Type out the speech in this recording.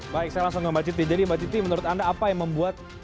baik saya langsung ke mbak citi jadi mbak citi menurut anda apa yang membuat